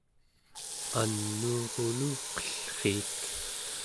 anuuruluqellriik